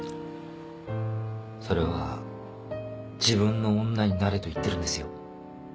それは自分の女になれと言ってるんですよ。